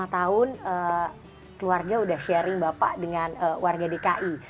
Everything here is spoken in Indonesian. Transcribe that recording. lima tahun keluarga udah sharing bapak dengan warga dki